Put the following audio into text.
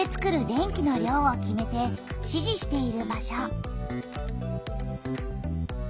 電気の量を決めて指示している場所。